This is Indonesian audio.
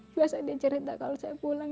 biasa dia cerita kalau saya pulang